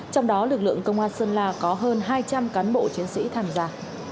trong đó lực lượng công an sơn la có hơn hai trăm linh cán bộ chiến sĩ tham gia